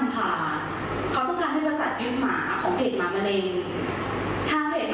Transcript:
หนูก็มีสิทธิ์ที่จะช่วยเหลือถูกต้องไหมคะ